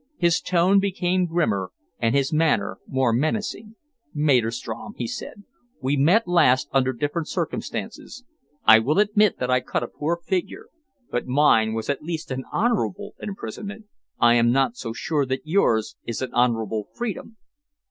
His tone became grimmer and his manner more menacing. "Maderstrom," he said, "we met last under different circumstances. I will admit that I cut a poor figure, but mine was at least an honourable imprisonment. I am not so sure that yours is an honourable freedom."